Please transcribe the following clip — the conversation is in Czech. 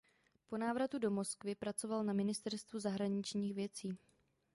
Po návratu do Moskvy pracoval na ministerstvu zahraničních věcí.